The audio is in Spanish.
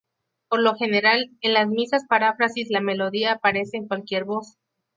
Por lo general, en las misas paráfrasis la melodía aparece en cualquier voz.